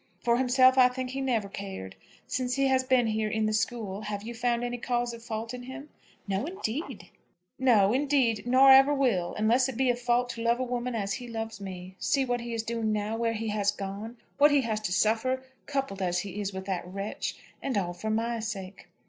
For himself, I think, he never cared. Since he has been here, in the school, have you found any cause of fault in him?" "No, indeed." "No, indeed! nor ever will; unless it be a fault to love a woman as he loves me. See what he is doing now, where he has gone, what he has to suffer, coupled as he is with that wretch! And all for my sake!"